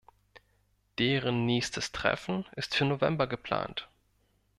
Deren nächstes Treffen ist für November geplant.